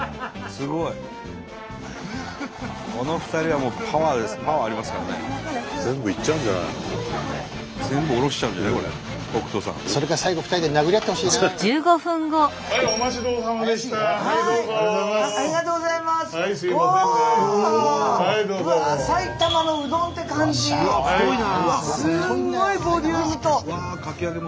すんごいボリュームと。